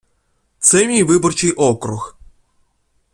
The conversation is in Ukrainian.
Це мій виборчий округ.